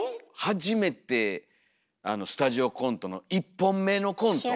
初めてスタジオコントの１本目のコント。